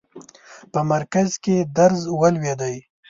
په مرکز کې درز ولوېدی.